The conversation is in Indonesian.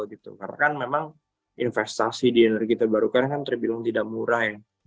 karena kan memang investasi di energi terbarukan kan terbilang tidak murah